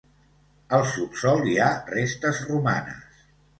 Al subsòl hi ha restes romanes.